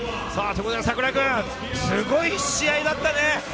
櫻井君、すごい試合だったね！